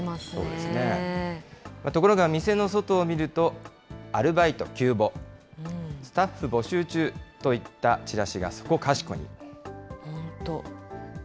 ところが店の外を見ると、アルバイト急募、スタッフ募集中といったチラシがそこかしこに。